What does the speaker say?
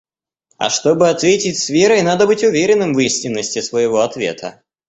А чтобы ответить с верой, надо быть уверенным в истинности своего ответа.